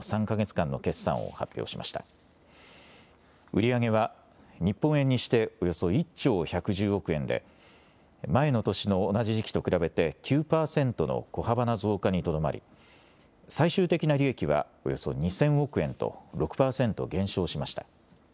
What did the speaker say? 売り上げは、日本円にしておよそ１兆１１０億円で前の年の同じ時期と比べて９％の小幅な増加にとどまり最終的な利益はおよそ２０００億円と６％減少しました。